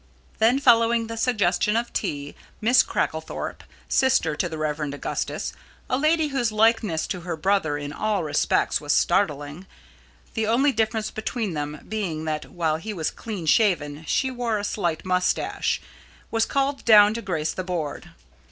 Then following the suggestion of tea, Miss Cracklethorpe, sister to the Rev. Augustus a lady whose likeness to her brother in all respects was startling, the only difference between them being that while he was clean shaven she wore a slight moustache was called down to grace the board.